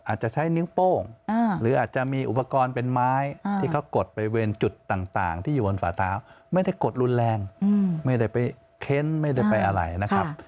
อาจจะใช้นิ้วโป้งหรืออาจจะมีอุปกรณ์เป็นไม้ที่เขากดไปเวรจุดต่างที่อยู่บนฝ่าเท้าไม่ได้กดรุนแรงไม่ได้ไปเค้นไม่ได้ไปอะไรนะครับ